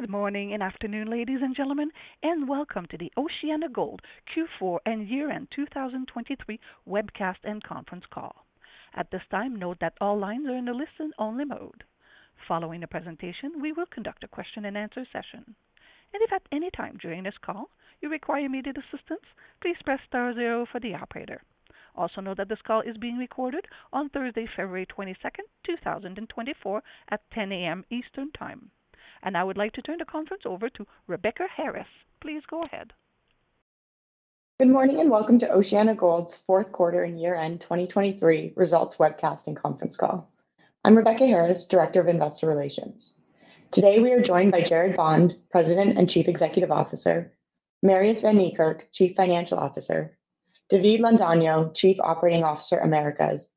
Good morning and afternoon, ladies and gentlemen, and welcome to the OceanaGold Q4 and Year-End 2023 Webcast and Conference Call. At this time, note that all lines are in a listen-only mode. Following the presentation, we will conduct a question and answer session, and if at any time during this call you require immediate assistance, please press star zero for the operator. Also, note that this call is being recorded on Thursday, February 22, 2024, at 10 A.M. Eastern Time. I would like to turn the conference over to Rebecca Harris. Please go ahead. Good morning, and welcome to OceanaGold's fourth quarter and year-end 2023 results webcast and conference call. I'm Rebecca Harris, Director of Investor Relations. Today, we are joined by Gerard Bond, President and Chief Executive Officer, Marius van Niekerk, Chief Financial Officer, David Londoño, Chief Operating Officer, Americas,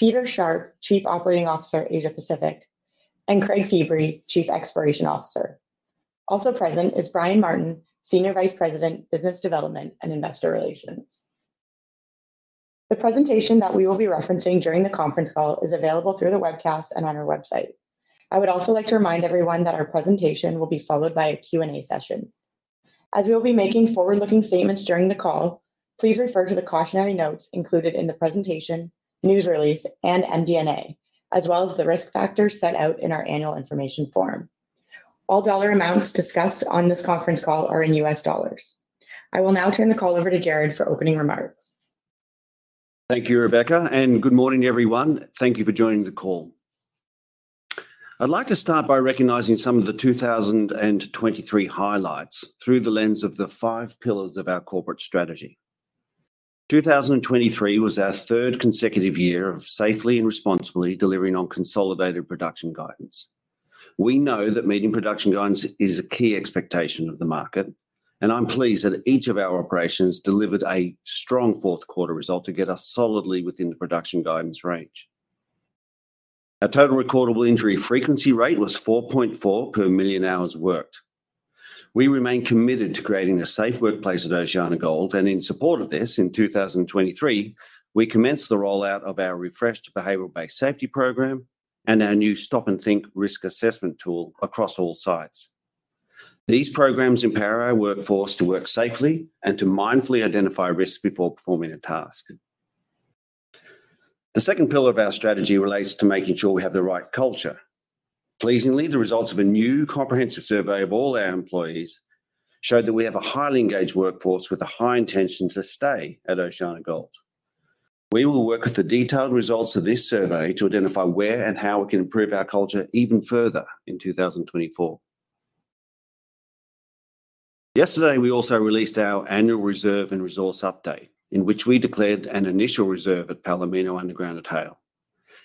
Peter Sharpe, Chief Operating Officer, Asia-Pacific, and Craig Feebrey, Chief Exploration Officer. Also present is Brian Martin, Senior Vice President, Business Development and Investor Relations. The presentation that we will be referencing during the conference call is available through the webcast and on our website. I would also like to remind everyone that our presentation will be followed by a Q&A session. As we will be making forward-looking statements during the call, please refer to the cautionary notes included in the presentation, news release, and MD&A, as well as the risk factors set out in our annual information form. All dollar amounts discussed on this conference call are in U.S dollars. I will now turn the call over to Gerard for opening remarks. Thank you, Rebecca, and good morning, everyone. Thank you for joining the call. I'd like to start by recognizing some of the 2023 highlights through the lens of the five pillars of our corporate strategy. 2023 was our third consecutive year of safely and responsibly delivering on consolidated production guidance. We know that meeting production guidance is a key expectation of the market, and I'm pleased that each of our operations delivered a strong fourth quarter result to get us solidly within the production guidance range. Our total recordable injury frequency rate was 4.4 per million hours worked. We remain committed to creating a safe workplace at OceanaGold, and in support of this, in 2023, we commenced the rollout of our refreshed behavioral-based safety program and our new stop-and-think risk assessment tool across all sites. These programs empower our workforce to work safely and to mindfully identify risks before performing a task. The second pillar of our strategy relates to making sure we have the right culture. Pleasingly, the results of a new comprehensive survey of all our employees showed that we have a highly engaged workforce with a high intention to stay at OceanaGold. We will work with the detailed results of this survey to identify where and how we can improve our culture even further in 2024. Yesterday, we also released our annual reserve and resource update, in which we declared an initial reserve at Palomino underground at Haile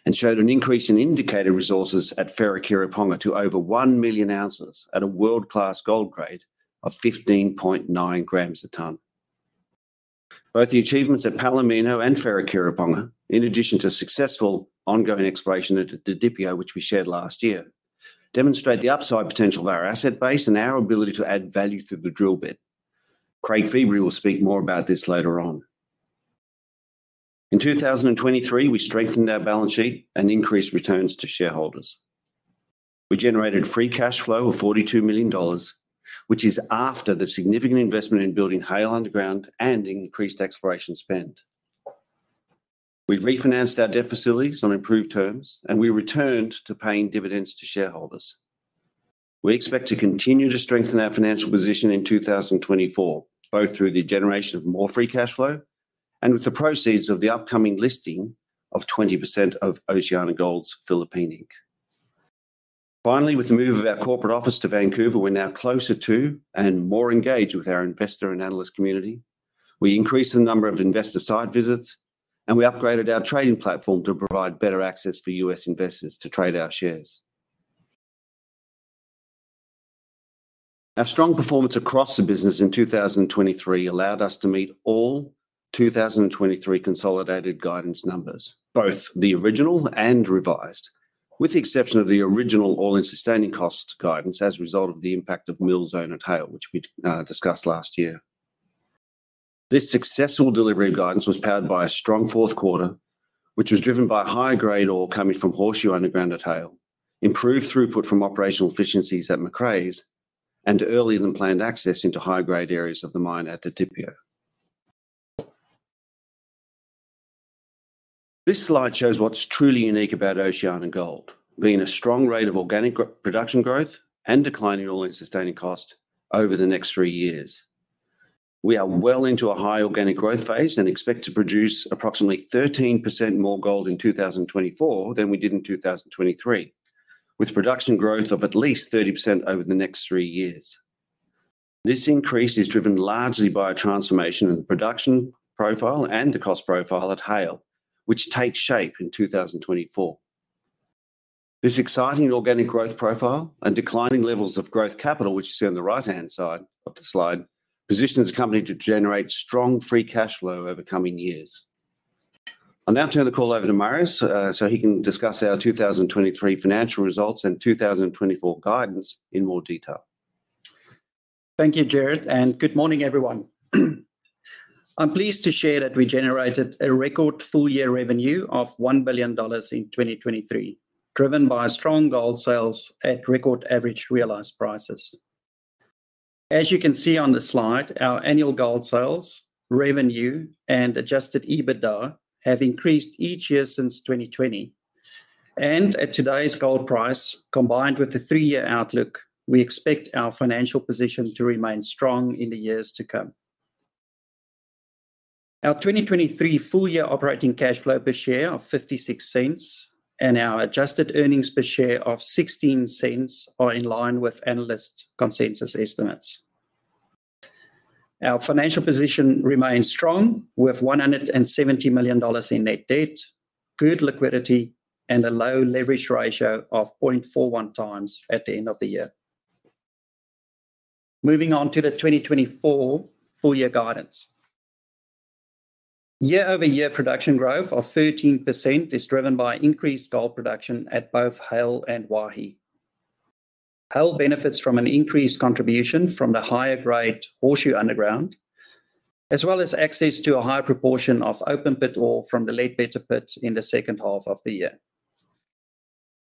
and showed an increase in indicated resources at Wharekirauponga to over 1 million ounces at a world-class gold grade of 15.9 grams a ton. Both the achievements at Palomino and Wharekirauponga, in addition to successful ongoing exploration at Didipio, which we shared last year, demonstrate the upside potential of our asset base and our ability to add value through the drill bit. Craig Feebrey will speak more about this later on. In 2023, we strengthened our balance sheet and increased returns to shareholders. We generated free cash flow of $42 million, which is after the significant investment in building Haile Underground and increased exploration spend. We've refinanced our debt facilities on improved terms, and we returned to paying dividends to shareholders. We expect to continue to strengthen our financial position in 2024, both through the generation of more free cash flow and with the proceeds of the upcoming listing of 20% of OceanaGold Philippines Inc. Finally, with the move of our corporate office to Vancouver, we're now closer to and more engaged with our investor and analyst community. We increased the number of investor site visits, and we upgraded our trading platform to provide better access for U.S. investors to trade our shares. Our strong performance across the business in 2023 allowed us to meet all 2023 consolidated guidance numbers, both the original and revised, with the exception of the original all-in sustaining costs guidance as a result of the impact of Mill Zone at Haile, which we discussed last year. This successful delivery of guidance was powered by a strong fourth quarter, which was driven by high-grade ore coming from Horseshoe Underground at Haile, improved throughput from operational efficiencies at Macraes, and earlier-than-planned access into high-grade areas of the mine at Didipio. This slide shows what's truly unique about OceanaGold, being a strong rate of organic production growth and declining all-in sustaining cost over the next three years. We are well into a high organic growth phase and expect to produce approximately 13% more gold in 2024 than we did in 2023, with production growth of at least 30% over the next three years. This increase is driven largely by a transformation in the production profile and the cost profile at Haile, which takes shape in 2024. This exciting organic growth profile and declining levels of growth capital, which you see on the right-hand side of the slide, positions the company to generate strong free cash flow over coming years. I'll now turn the call over to Marius, so he can discuss our 2023 financial results and 2024 guidance in more detail. ...Thank you, Gerard, and good morning, everyone. I'm pleased to share that we generated a record full-year revenue of $1 billion in 2023, driven by strong gold sales at record average realized prices. As you can see on the slide, our annual gold sales, revenue, and adjusted EBITDA have increased each year since 2020. At today's gold price, combined with the 3-year outlook, we expect our financial position to remain strong in the years to come. Our 2023 full-year operating cash flow per share of $0.56 and our adjusted earnings per share of $0.16 are in line with analyst consensus estimates. Our financial position remains strong, with $170 million in net debt, good liquidity, and a low leverage ratio of 0.41x at the end of the year. Moving on to the 2024 full-year guidance. Year-over-year production growth of 13% is driven by increased gold production at both Haile and Waihi. Haile benefits from an increased contribution from the higher-grade Horseshoe Underground, as well as access to a higher proportion of open pit ore from the Ledbetter pit in the second half of the year.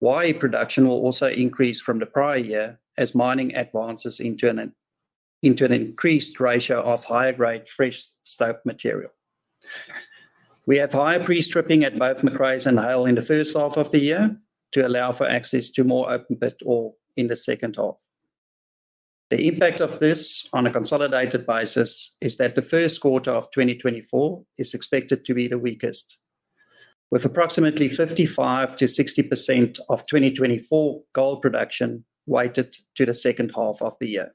Waihi production will also increase from the prior year as mining advances into an increased ratio of higher-grade fresh stope material. We have higher pre-stripping at both Macraes and Haile in the first half of the year to allow for access to more open pit ore in the second half. The impact of this on a consolidated basis is that the first quarter of 2024 is expected to be the weakest, with approximately 55%-60% of 2024 gold production weighted to the second half of the year.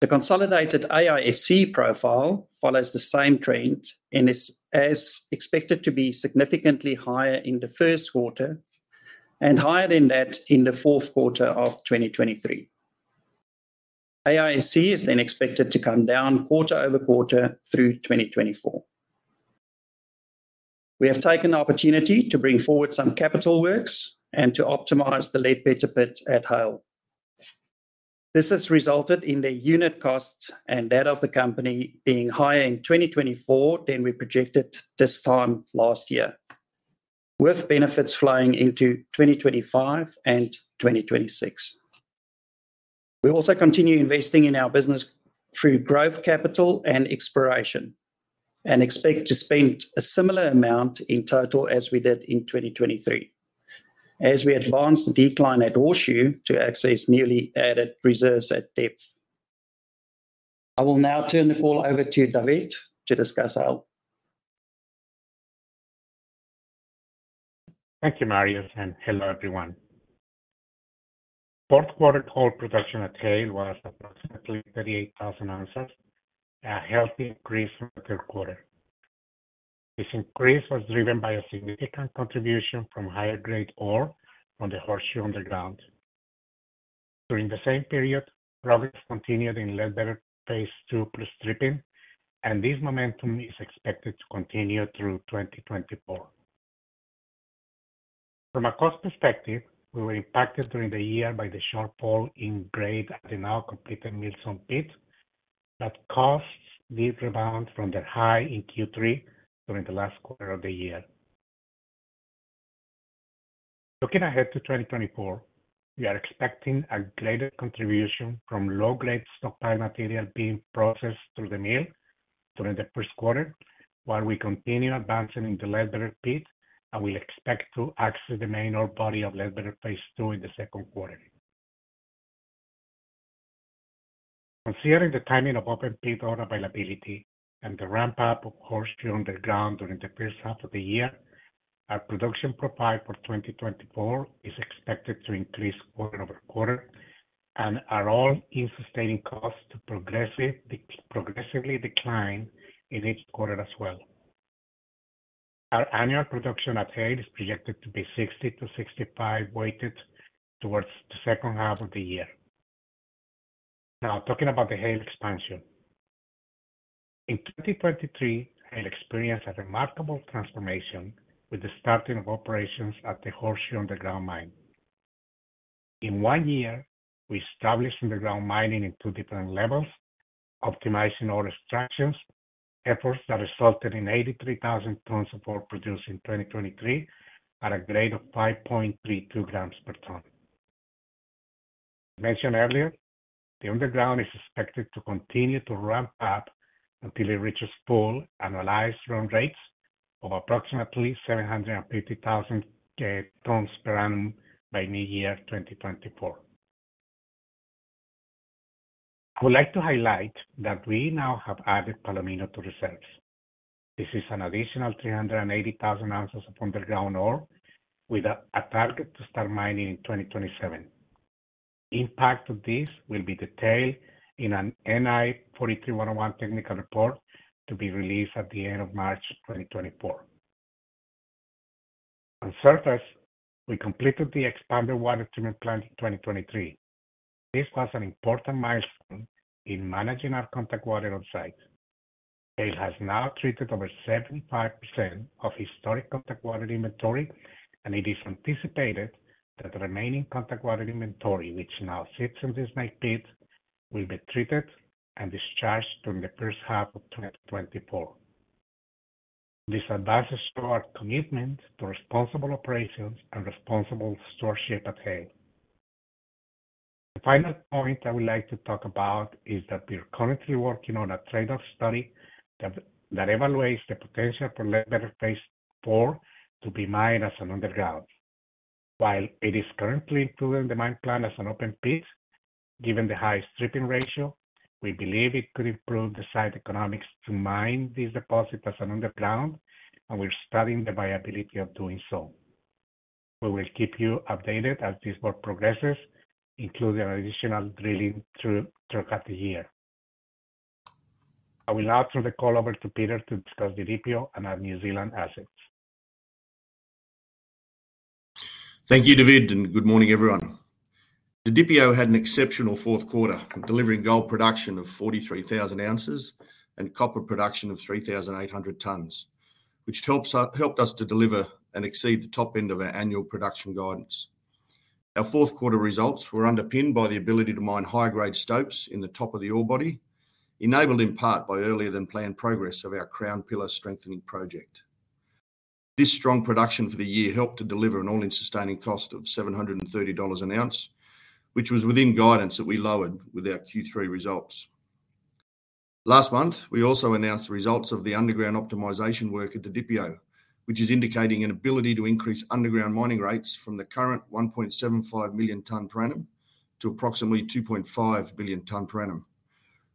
The consolidated AISC profile follows the same trend and is as expected to be significantly higher in the first quarter and higher than that in the fourth quarter of 2023. AISC is then expected to come down quarter-over-quarter through 2024. We have taken the opportunity to bring forward some capital works and to optimize the Ledbetter pit at Haile. This has resulted in the unit cost and that of the company being higher in 2024 than we projected this time last year, with benefits flowing into 2025 and 2026. We also continue investing in our business through growth, capital, and exploration, and expect to spend a similar amount in total as we did in 2023 as we advance the decline at Horseshoe to access newly added reserves at depth. I will now turn the call over to David to discuss Haile. Thank you, Marius, and hello, everyone. Fourth quarter gold production at Haile was approximately 38,000 ounces, a healthy increase from the third quarter. This increase was driven by a significant contribution from higher-grade ore from the Horseshoe Underground. During the same period, progress continued in Ledbetter Phase Two pre-stripping, and this momentum is expected to continue through 2024. From a cost perspective, we were impacted during the year by the shortfall in grade at the now completed Mill Zone pit, but costs did rebound from their high in Q3 during the last quarter of the year. Looking ahead to 2024, we are expecting a greater contribution from low-grade stockpile material being processed through the mill during the first quarter, while we continue advancing in the Ledbetter pit and we expect to access the main ore body of Ledbetter Phase Two in the second quarter. Considering the timing of open pit ore availability and the ramp-up of Horseshoe Underground during the first half of the year, our production profile for 2024 is expected to increase quarter-over-quarter and our all-in sustaining costs to progressively decline in each quarter as well. Our annual production at Haile is projected to be 60-65, weighted towards the second half of the year. Now, talking about the Haile expansion. In 2023, Haile experienced a remarkable transformation with the starting of operations at the Horseshoe Underground mine. In one year, we established underground mining in two different levels, optimizing ore extractions, efforts that resulted in 83,000 tons of ore produced in 2023 at a grade of 5.32 grams per ton. Mentioned earlier, the underground is expected to continue to ramp up until it reaches full analyzed run rates of approximately 750,000 tons per annum by mid-year 2024. I would like to highlight that we now have added Palomino to reserves. This is an additional 380,000 ounces of underground ore, with a target to start mining in 2027. Impact of this will be detailed in an NI 43-101 technical report to be released at the end of March 2024. On surface, we completed the expanded water treatment plant in 2023. This was an important milestone in managing our contact water on-site. Haile has now treated over 75% of historic contact water inventory, and it is anticipated that the remaining contact water inventory, which now sits in this main pit, will be treated and discharged during the first half of 2024. This advances to our commitment to responsible operations and responsible stewardship at Haile. The final point I would like to talk about is that we're currently working on a trade-off study that evaluates the potential for Haile Phase IV to be mined as an underground. While it is currently included in the mine plan as an open pit, given the high stripping ratio, we believe it could improve the site economics to mine this deposit as an underground, and we're studying the viability of doing so. We will keep you updated as this work progresses, including additional drilling throughout the year. I will now turn the call over to Peter to discuss the Didipio and our New Zealand assets. Thank you, David, and good morning, everyone. The Didipio had an exceptional fourth quarter, delivering gold production of 43,000 ounces and copper production of 3,800 tons, which helped us to deliver and exceed the top end of our annual production guidance. Our fourth quarter results were underpinned by the ability to mine high-grade stopes in the top of the ore body, enabled in part by earlier than planned progress of our Crown Pillar strengthening project. This strong production for the year helped to deliver an all-in sustaining cost of $730 an ounce, which was within guidance that we lowered with our Q3 results. Last month, we also announced the results of the underground optimization work at the Didipio, which is indicating an ability to increase underground mining rates from the current 1.75 million tonne per annum to approximately 2.5 million tonne per annum,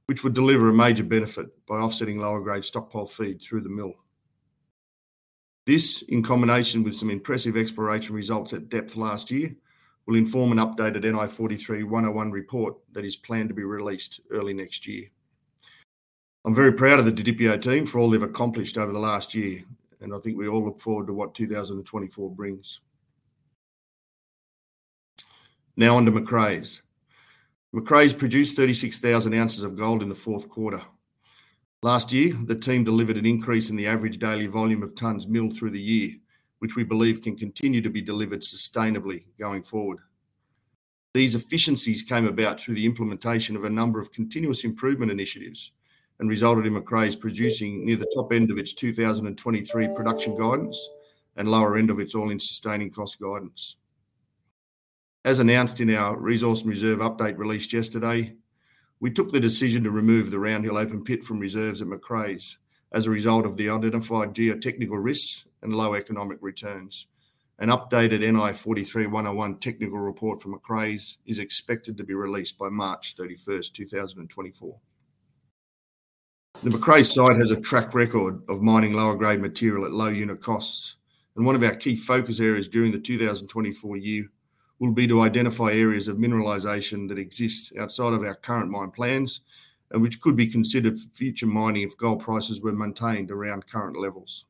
which would deliver a major benefit by offsetting lower grade stockpile feed through the mill. This, in combination with some impressive exploration results at depth last year, will inform an updated NI 43-101 report that is planned to be released early next year. I'm very proud of the Didipio team for all they've accomplished over the last year, and I think we all look forward to what 2024 brings. Now on to Macraes. Macraes produced 36,000 ounces of gold in the fourth quarter. Last year, the team delivered an increase in the average daily volume of tonnes milled through the year, which we believe can continue to be delivered sustainably going forward. These efficiencies came about through the implementation of a number of continuous improvement initiatives and resulted in Macraes producing near the top end of its 2023 production guidance and lower end of its all-in sustaining cost guidance. As announced in our resource and reserve update released yesterday, we took the decision to remove the Round Hill open pit from reserves at Macraes as a result of the identified geotechnical risks and low economic returns. An updated NI 43-101 technical report from Macraes is expected to be released by March 31st, 2024. The Macraes site has a track record of mining lower grade material at low unit costs, and one of our key focus areas during the 2024 year will be to identify areas of mineralization that exist outside of our current mine plans and which could be considered for future mining if gold prices were maintained around current levels.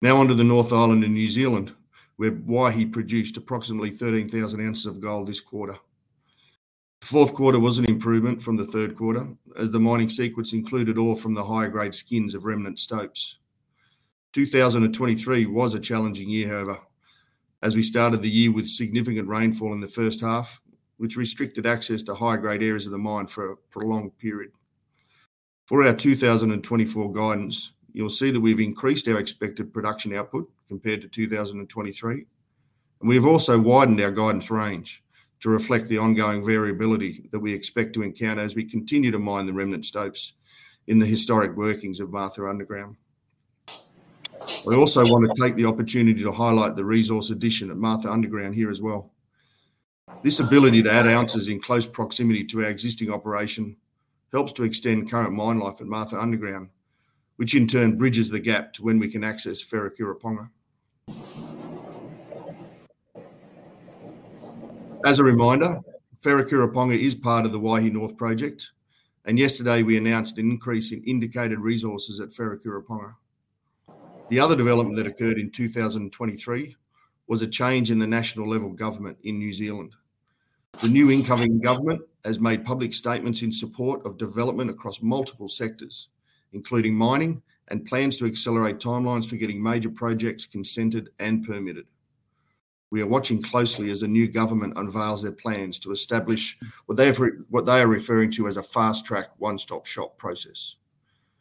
Now on to the North Island in New Zealand, where Waihi produced approximately 13,000 ounces of gold this quarter. The fourth quarter was an improvement from the third quarter, as the mining sequence included ore from the higher grade skins of remnant stopes. 2023 was a challenging year, however, as we started the year with significant rainfall in the first half, which restricted access to high-grade areas of the mine for a prolonged period. For our 2024 guidance, you'll see that we've increased our expected production output compared to 2023. We've also widened our guidance range to reflect the ongoing variability that we expect to encounter as we continue to mine the remnant stopes in the historic workings of Martha Underground. I also want to take the opportunity to highlight the resource addition at Martha Underground here as well. This ability to add ounces in close proximity to our existing operation helps to extend current mine life at Martha Underground, which in turn bridges the gap to when we can access Wharekirauponga. As a reminder, Wharekirauponga is part of the Waihi North Project, and yesterday, we announced an increase in indicated resources at Wharekirauponga. The other development that occurred in 2023 was a change in the national level government in New Zealand. The new incoming government has made public statements in support of development across multiple sectors, including mining, and plans to accelerate timelines for getting major projects consented and permitted. We are watching closely as the new government unveils their plans to establish what they are referring to as a fast-track, one-stop-shop process.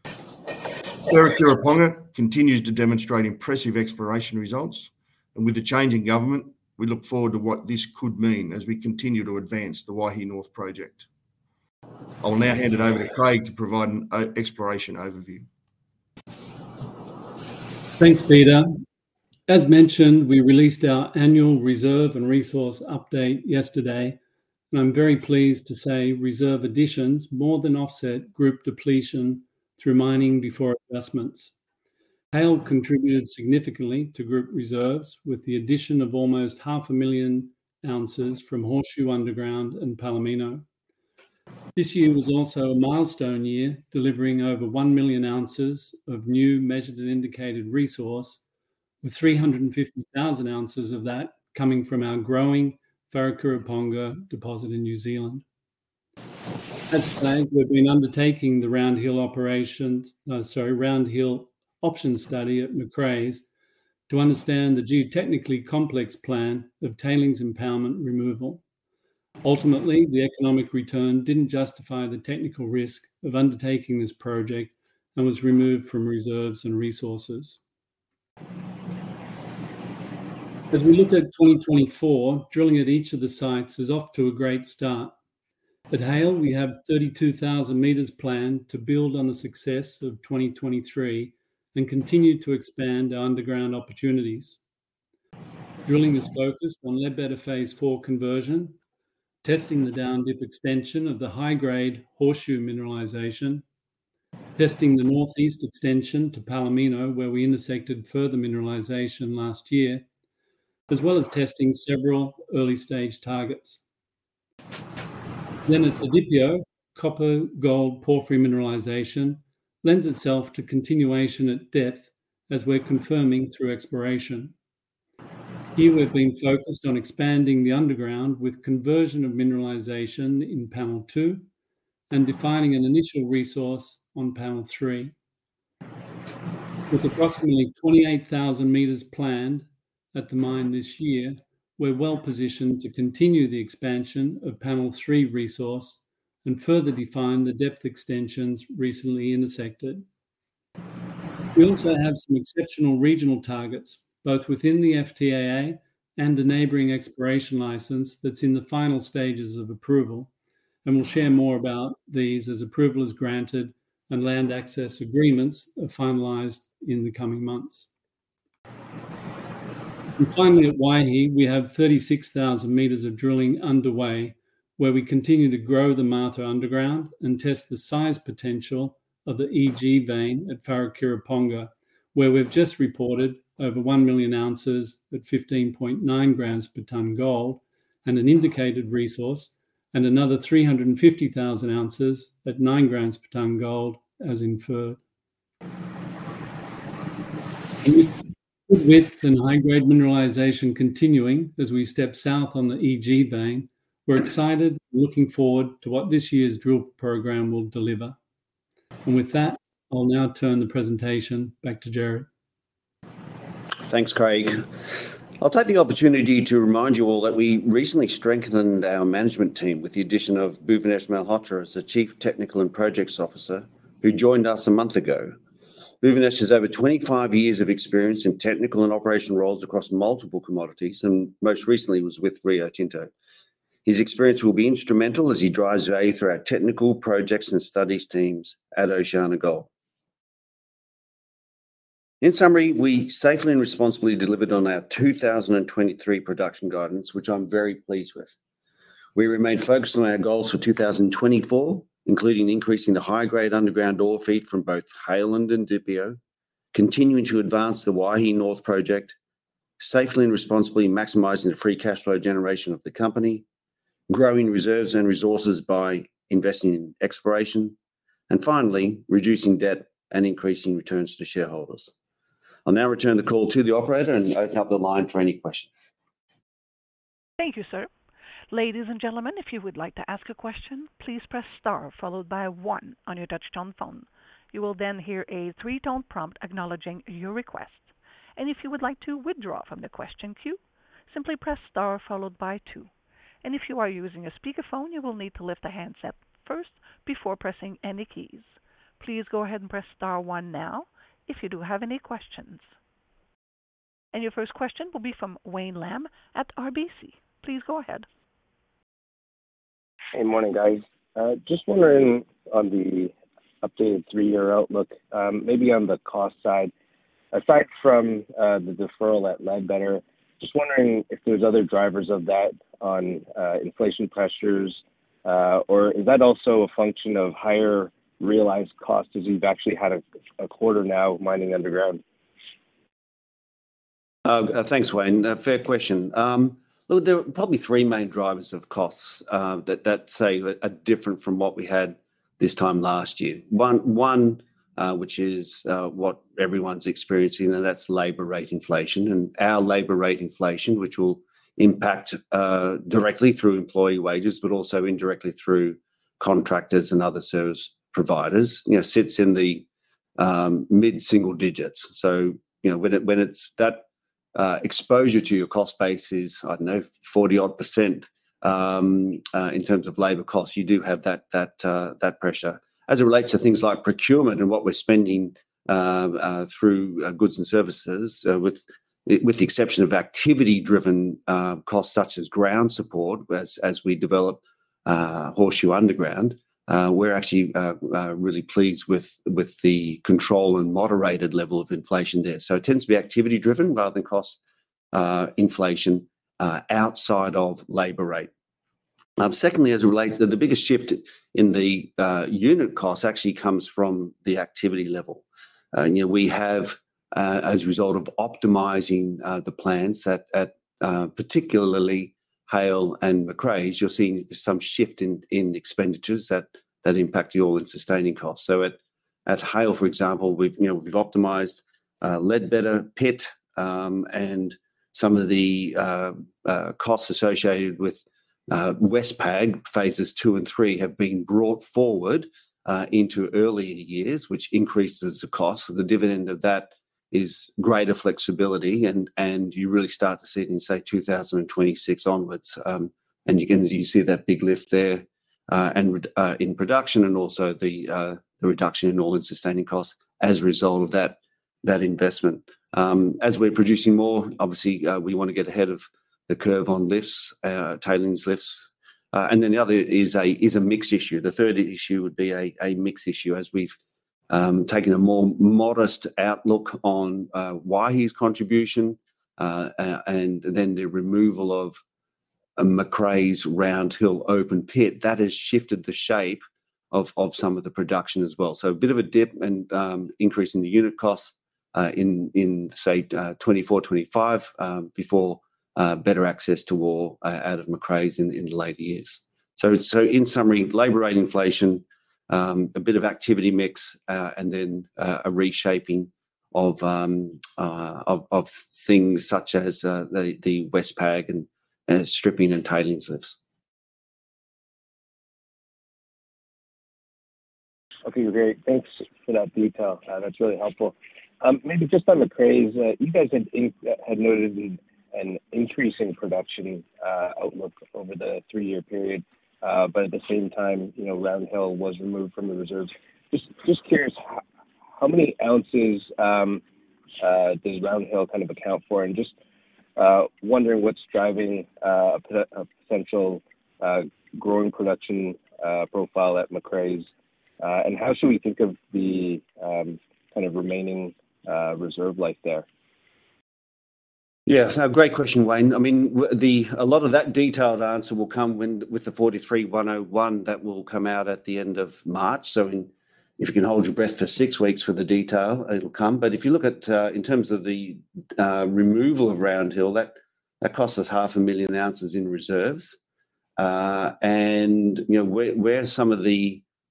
Wharekirauponga continues to demonstrate impressive exploration results, and with the change in government, we look forward to what this could mean as we continue to advance the Waihi North project. I will now hand it over to Craig to provide an exploration overview. Thanks, Peter. As mentioned, we released our annual reserve and resource update yesterday, and I'm very pleased to say reserve additions more than offset group depletion through mining before investments. Haile contributed significantly to group reserves, with the addition of almost 500,000 ounces from Horseshoe Underground and Palomino. This year was also a milestone year, delivering over 1 million ounces of new measured and indicated resource-... with 350,000 ounces of that coming from our growing Wharekirauponga deposit in New Zealand. As planned, we've been undertaking the Round Hill option study at Macraes to understand the geotechnically complex plan of tailings embankment removal. Ultimately, the economic return didn't justify the technical risk of undertaking this project and was removed from reserves and resources. As we look at 2024, drilling at each of the sites is off to a great start. At Haile, we have 32,000 meters planned to build on the success of 2023 and continue to expand our underground opportunities. Drilling is focused on Ledbetter Phase IV conversion, testing the down dip extension of the high-grade Horseshoe mineralization, testing the northeast extension to Palomino, where we intersected further mineralization last year, as well as testing several early-stage targets. Then, at the Didipio, copper-gold porphyry mineralization lends itself to continuation at depth, as we're confirming through exploration. Here, we've been focused on expanding the underground with conversion of mineralization in Panel Two and defining an initial resource on Panel Three. With approximately 28,000 meters planned at the mine this year, we're well positioned to continue the expansion of Panel Three resource and further define the depth extensions recently intersected. We also have some exceptional regional targets, both within the FTAA and the neighboring exploration license that's in the final stages of approval, and we'll share more about these as approval is granted and land access agreements are finalized in the coming months. Finally, at Waihi, we have 36,000 meters of drilling underway, where we continue to grow the Martha Underground and test the size potential of the EG vein at Wharekirauponga, where we've just reported over one million ounces at 15.9 grams per ton gold and an Indicated Resource and another 350,000 ounces at 9 grams per ton gold, as Inferred. With the high-grade mineralization continuing as we step south on the EG vein, we're excited and looking forward to what this year's drill program will deliver. With that, I'll now turn the presentation back to Gerard. Thanks, Craig. I'll take the opportunity to remind you all that we recently strengthened our management team with the addition of Bhuvanesh Malhotra as the Chief Technical and Projects Officer, who joined us a month ago. Bhuvanesh has over 25 years of experience in technical and operational roles across multiple commodities, and most recently was with Rio Tinto. His experience will be instrumental as he drives value through our technical projects and studies teams at OceanaGold. In summary, we safely and responsibly delivered on our 2023 production guidance, which I'm very pleased with. We remain focused on our goals for 2024, including increasing the high-grade underground ore feed from both Haile and Didipio, continuing to advance the Waihi North Project, safely and responsibly maximizing the free cash flow generation of the company, growing reserves and resources by investing in exploration, and finally, reducing debt and increasing returns to shareholders. I'll now return the call to the operator and open up the line for any questions. Thank you, sir. Ladies and gentlemen, if you would like to ask a question, please press star followed by one on your touch-tone phone. You will then hear a three-tone prompt acknowledging your request. If you would like to withdraw from the question queue, simply press star followed by two. If you are using a speakerphone, you will need to lift the handset first before pressing any keys. Please go ahead and press star one now if you do have any questions. Your first question will be from Wayne Lam at RBC. Please go ahead. Hey, morning, guys. Just wondering on the updated three-year outlook, maybe on the cost side, aside from, the deferral at Ledbetter, just wondering if there's other drivers of that on, inflation pressures, or is that also a function of higher realized costs, as you've actually had a quarter now mining underground? Thanks, Wayne. A fair question. Well, there are probably three main drivers of costs that are different from what we had this time last year. One, which is what everyone's experiencing, and that's labor rate inflation. And our labor rate inflation, which will impact directly through employee wages, but also indirectly through contractors and other service providers, you know, sits in the mid-single digits. So, you know, when it's that exposure to your cost base is, I don't know, 40-odd%, in terms of labor costs, you do have that pressure. As it relates to things like procurement and what we're spending, through goods and services, with the exception of activity-driven costs, such as ground support, as we develop Horseshoe Underground, we're actually really pleased with the control and moderated level of inflation there. So it tends to be activity driven rather than cost inflation outside of labor rate. Secondly, as it relates to the biggest shift in the unit cost actually comes from the activity level. You know, we have, as a result of optimizing the plans at, particularly Haile and Macraes, you're seeing some shift in expenditures that impact the all-in sustaining costs. So at Haile, for example, you know, we've optimized Ledbetter Pit, and some of the costs associated with Horseshoe phases 2 and 3 have been brought forward into early years, which increases the cost. The dividend of that is greater flexibility and you really start to see it in, say, 2026 onwards. And you see that big lift there in production and also the reduction in all-in sustaining costs as a result of that investment. As we're producing more, obviously, we wanna get ahead of the curve on lifts, tailings lifts. And then the other is a mix issue. The third issue would be a mix issue, as we've taken a more modest outlook on Waihi's contribution, and then the removal of a Macraes Round Hill open pit. That has shifted the shape of some of the production as well. So a bit of a dip and increase in the unit costs in, in say, 2024, 2025, before better access to ore out of Macraes in the later years. So in summary, labor rate inflation, a bit of activity mix, and then a reshaping of things such as the waste stripping and tailings lifts. Okay, great. Thanks for that detail. That's really helpful. Maybe just on Macraes, you guys had noted an increase in production outlook over the three-year period, but at the same time, you know, Round Hill was removed from the reserve. Just curious, how many ounces does Round Hill kind of account for? And just wondering what's driving a potential growing production profile at Macraes? And how should we think of the kind of remaining reserve life there? Yes. No, great question, Wayne. I mean, the a lot of that detailed answer will come when with the NI 43-101 that will come out at the end of March. So if you can hold your breath for six weeks for the detail, it'll come. But if you look at, in terms of the, removal of Round Hill, that cost us 500,000 ounces in reserves. And, you know, where some of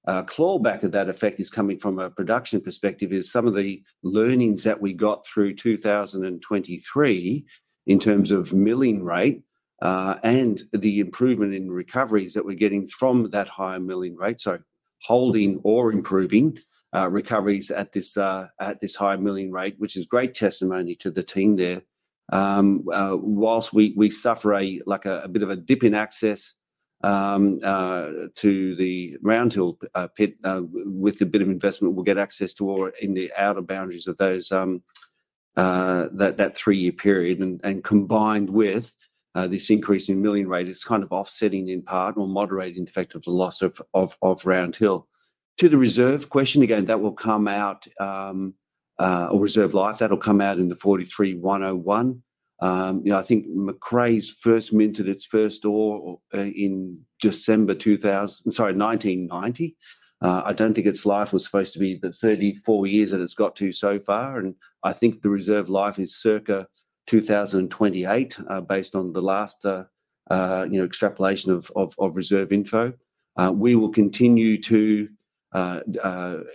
the clawback of that effect is coming from a production perspective is some of the learnings that we got through 2023 in terms of milling rate, and the improvement in recoveries that we're getting from that higher milling rate. So holding or improving, recoveries at this, at this higher milling rate, which is great testimony to the team there. While we suffer a bit of a dip in access to the Round Hill pit, with a bit of investment, we'll get access to ore in the outer boundaries of those that 3-year period. And combined with this increase in milling rate, it's kind of offsetting in part or moderating the effect of the loss of Round Hill. To the reserve question, again, that will come out or reserve life, that'll come out in the 43-101. You know, I think Macraes first minted its first ore in December 2000—sorry, 1990. I don't think its life was supposed to be the 34 years that it's got to so far, and I think the reserve life is circa 2028, based on the last, you know, extrapolation of reserve info. We will continue to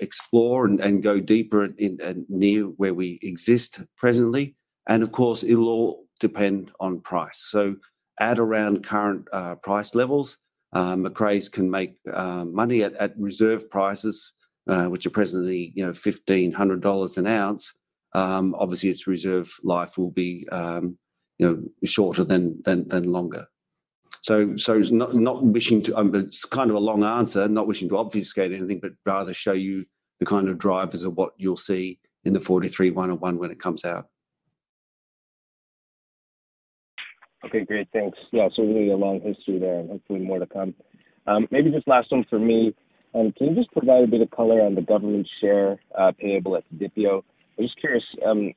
explore and go deeper in near where we exist presently, and of course, it'll all depend on price. So at around current price levels, Macraes can make money at reserve prices, which are presently, you know, $1,500 an ounce. Obviously, its reserve life will be, you know, shorter than longer. So not wishing to... It's kind of a long answer, not wishing to obfuscate anything, but rather show you the kind of drivers of what you'll see in the 43-101 when it comes out. Okay, great. Thanks. Yeah, so really a long history there, and hopefully more to come. Maybe just last one for me. Can you just provide a bit of color on the government's share, payable at the Didipio? I'm just curious,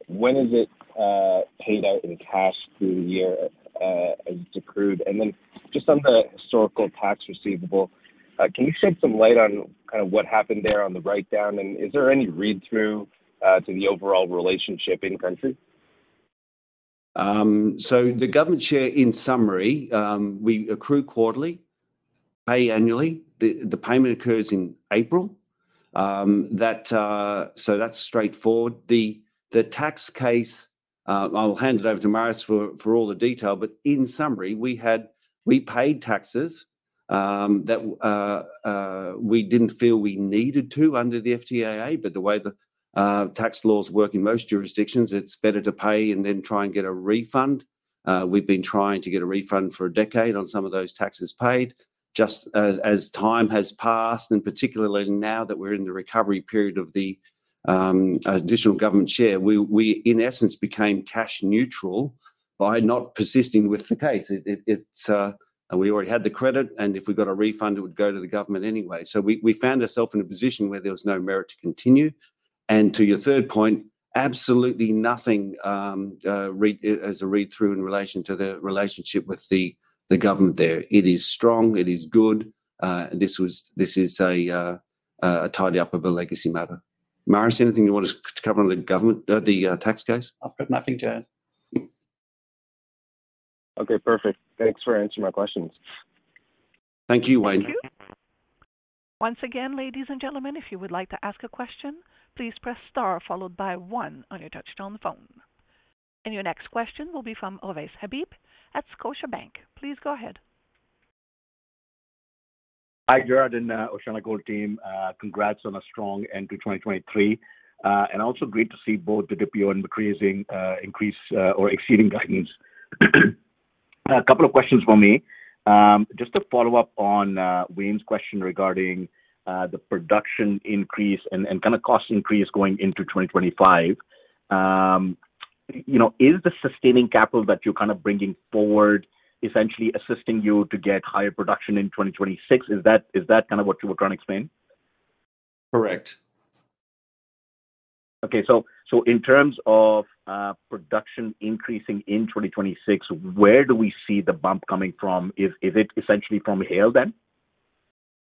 when is it paid out in cash through the year, as accrued? And then just on the historical tax receivable, can you shed some light on kind of what happened there on the write-down, and is there any read-through to the overall relationship in country? So the government share, in summary, we accrue quarterly, pay annually. The payment occurs in April. So that's straightforward. The tax case, I'll hand it over to Marius for all the detail, but in summary, we had—we paid taxes that we didn't feel we needed to under the FTAA, but the way the tax laws work in most jurisdictions, it's better to pay and then try and get a refund. We've been trying to get a refund for a decade on some of those taxes paid. Just as time has passed, and particularly now that we're in the recovery period of the additional government share, we, in essence, became cash neutral by not persisting with the case. It and we already had the credit, and if we got a refund, it would go to the government anyway. So we found ourselves in a position where there was no merit to continue. And to your third point, absolutely nothing as a read-through in relation to the relationship with the government there. It is strong, it is good. This is a tidy-up of a legacy matter. Marius, anything you want to cover on the government, the tax case? I've got nothing to add. Okay, perfect. Thanks for answering my questions. Thank you, Wayne. Thank you. Once again, ladies and gentlemen, if you would like to ask a question, please press star followed by one on your touchtone phone. Your next question will be from Owais Habib at Scotiabank. Please go ahead. Hi, Gerard and, OceanaGold team. Congrats on a strong end to 2023. And also great to see both the Didipio and increasing, or exceeding guidance. A couple of questions for me. Just to follow up on Wayne's question regarding the production increase and kind of cost increase going into 2025. You know, is the sustaining capital that you're kind of bringing forward essentially assisting you to get higher production in 2026? Is that kind of what you were trying to explain? Correct. Okay. So in terms of production increasing in 2026, where do we see the bump coming from? Is it essentially from Haile then?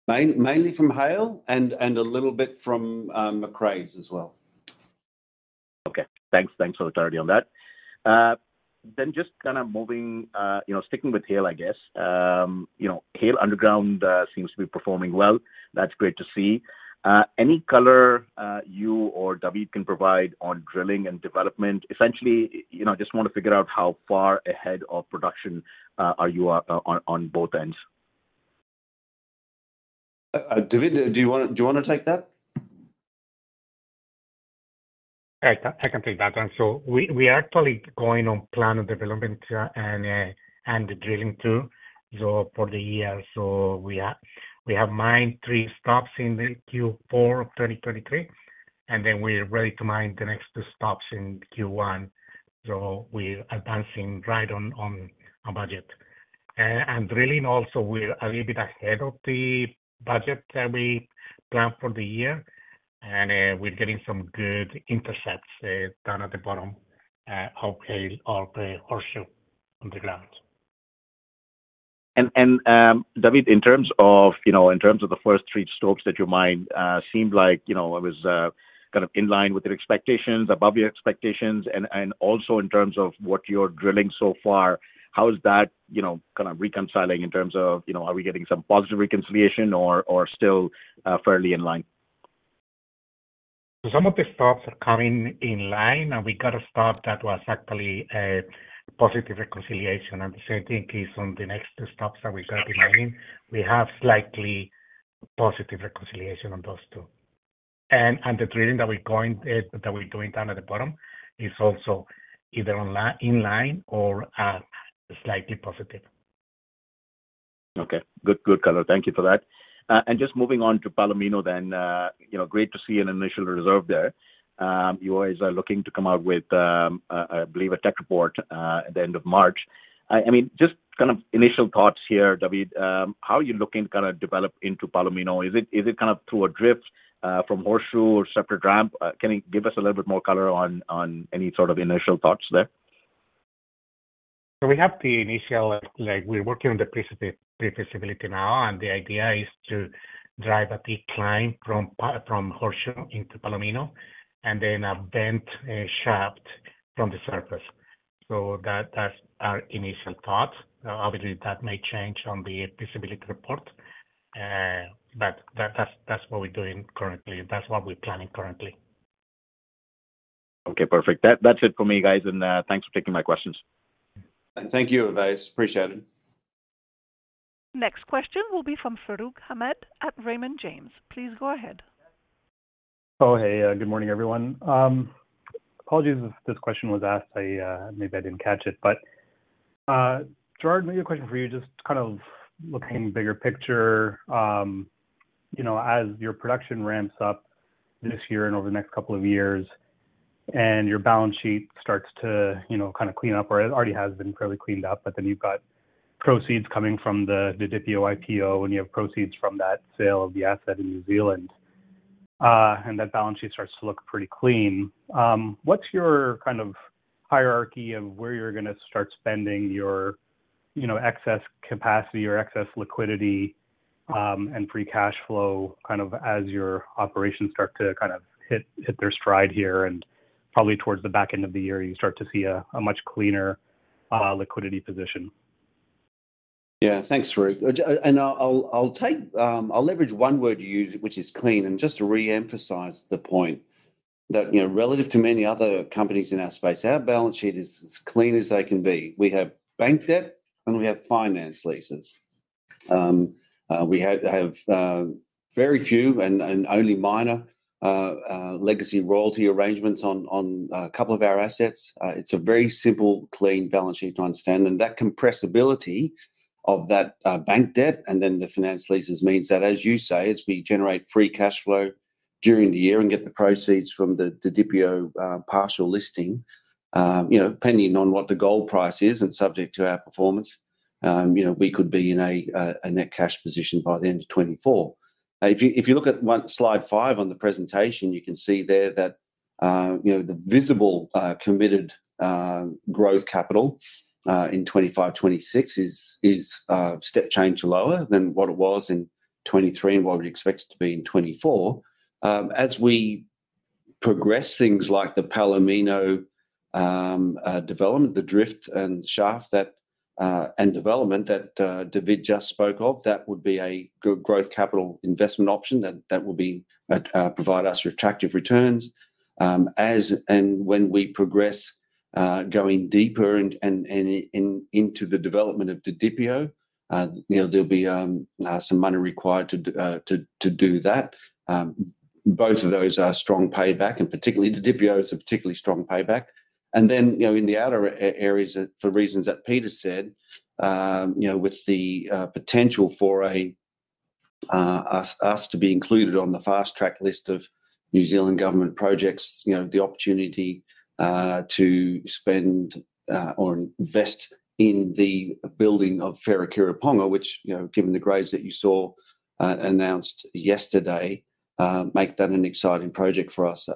Mainly from Haile and a little bit from Macraes as well. Okay, thanks. Thanks for the clarity on that. Then just kind of moving, you know, sticking with Haile, I guess. You know, Haile Underground seems to be performing well. That's great to see. Any color you or David can provide on drilling and development? Essentially, you know, I just want to figure out how far ahead of production are you on, on both ends. David, do you wanna take that? I can take that one. So we are actually going on plan of development and the drilling too, so for the year. So we have mined three stopes in the Q4 of 2023, and then we're ready to mine the next two stopes in Q1. So we're advancing right on our budget. And drilling also, we're a little bit ahead of the budget that we planned for the year, and we're getting some good intercepts down at the bottom of Haile, of the Horseshoe on the ground. David, in terms of, you know, in terms of the first three stopes that you mined, seemed like, you know, it was kind of in line with your expectations, above your expectations, and also in terms of what you're drilling so far, how is that, you know, kind of reconciling in terms of, you know, are we getting some positive reconciliation or still fairly in line? Some of the stope are coming in line, and we got a stope that was actually a positive reconciliation. And the same thing is on the next two stope that we got in mind. We have slightly positive reconciliation on those two. And the drilling that we're going, that we're doing down at the bottom is also either on line or slightly positive. Okay. Good, good color. Thank you for that. And just moving on to Palomino then, you know, great to see an initial reserve there. You guys are looking to come out with, I believe, a tech report, at the end of March. I mean, just kind of initial thoughts here, David, how are you looking to kind of develop into Palomino? Is it kind of through a drift from Horseshoe or separate ramp? Can you give us a little bit more color on any sort of initial thoughts there? So we have the initial, like, we're working on the pre-feasibility now, and the idea is to drive a decline from Horseshoe into Palomino, and then a bent shaft from the surface. So that's our initial thought. Obviously, that may change on the feasibility report, but that's what we're doing currently. That's what we're planning currently. Okay, perfect. That's it for me, guys, and thanks for taking my questions. Thank you, Owais. Appreciate it. Next question will be from Farooq Hamed at Raymond James. Please go ahead. Oh, hey, good morning, everyone. Apologies if this question was asked, I maybe didn't catch it. But, Gerard, maybe a question for you, just kind of looking bigger picture. You know, as your production ramps up this year and over the next couple of years, and your balance sheet starts to, you know, kind of clean up, or it already has been fairly cleaned up, but then you've got proceeds coming from the Didipio IPO, and you have proceeds from that sale of the asset in New Zealand, and that balance sheet starts to look pretty clean. What's your kind of hierarchy of where you're gonna start spending your, you know, excess capacity or excess liquidity, and free cash flow, kind of as your operations start to kind of hit their stride here, and probably towards the back end of the year, you start to see a much cleaner liquidity position? Yeah. Thanks, Farooq. And I'll take, I'll leverage one word you use, which is clean, and just to reemphasize the point that, you know, relative to many other companies in our space, our balance sheet is as clean as they can be. We have bank debt, and we have finance leases. We have very few and only minor legacy royalty arrangements on a couple of our assets. It's a very simple, clean balance sheet to understand, and that compressibility of that bank debt and then the finance leases means that, as you say, as we generate free cash flow during the year and get the proceeds from the Didipio partial listing, you know, depending on what the gold price is and subject to our performance, you know, we could be in a net cash position by the end of 2024. If you look at slide five on the presentation, you can see there that you know, the visible committed growth capital in 2025, 2026 is step change lower than what it was in 2023 and what we expect it to be in 2024. As we progress things like the Palomino development, the drift and shaft and development that David just spoke of, that would be a good growth capital investment option that will provide us with attractive returns. As and when we progress going deeper and into the development of Didipio, you know, there'll be some money required to do that. Both of those are strong payback, and particularly Didipio is a particularly strong payback. And then, you know, in the outer areas, for reasons that Peter said, you know, with the potential for us to be included on the fast track list of New Zealand government projects, you know, the opportunity to spend or invest in the building of Wharekirauponga, which, you know, given the grades that you saw announced yesterday, make that an exciting project for us.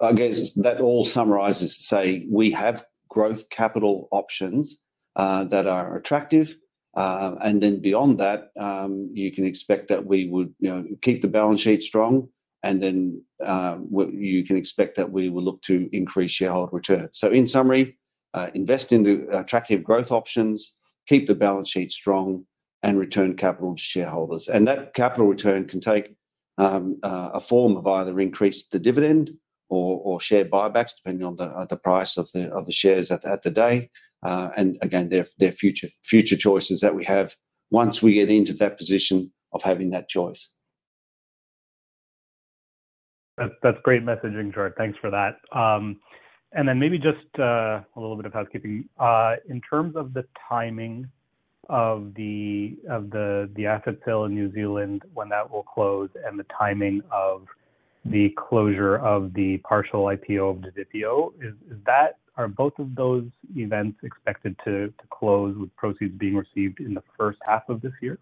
I guess that all summarizes to say we have growth capital options that are attractive. And then beyond that, you can expect that we would, you know, keep the balance sheet strong, and then you can expect that we will look to increase shareholder return. So in summary, invest into attractive growth options, keep the balance sheet strong, and return capital to shareholders. And that capital return can take a form of either increase the dividend or share buybacks, depending on the price of the shares at the day. And again, they're future choices that we have once we get into that position of having that choice. That's great messaging, Gerard. Thanks for that. And then maybe just a little bit of housekeeping. In terms of the timing of the asset sale in New Zealand, when that will close, and the timing of the closure of the partial IPO of Didipio, is that - are both of those events expected to close with proceeds being received in the first half of this year?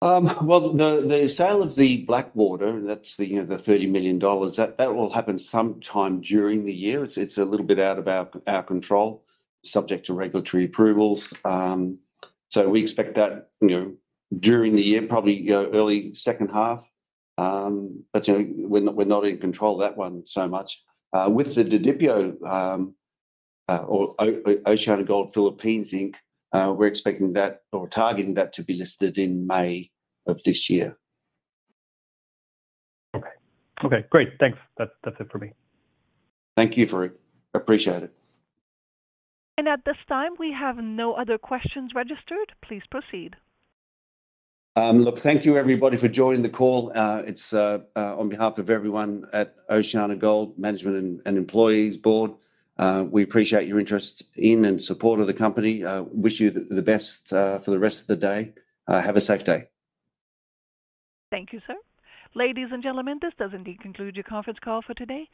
Well, the sale of the Blackwater, that's the, you know, the $30 million, that will happen sometime during the year. It's a little bit out of our control, subject to regulatory approvals. So we expect that, you know, during the year, probably, you know, early second half. But, you know, we're not in control of that one so much. With the Didipio, or OceanaGold Philippines Inc., we're expecting that or targeting that to be listed in May of this year. Okay. Okay, great. Thanks. That's, that's it for me. Thank you, Fred. Appreciate it. At this time, we have no other questions registered. Please proceed. Look, thank you, everybody, for joining the call. It's on behalf of everyone at OceanaGold management and employees board. We appreciate your interest in and support of the company. Wish you the best for the rest of the day. Have a safe day. Thank you, sir. Ladies and gentlemen, this does indeed conclude your conference call for today.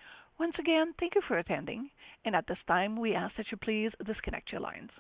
Once again, thank you for attending, and at this time, we ask that you please disconnect your lines.